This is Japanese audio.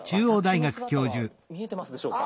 私の姿は見えてますでしょうか？